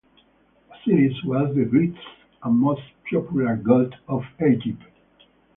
Osiris was the greatest and most popular god of Egypt.